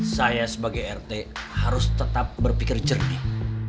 saya sebagai rt harus tetap berpikir jernih